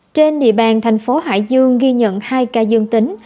trên địa bàn thành phố hải dương ghi nhận hai ca dương tính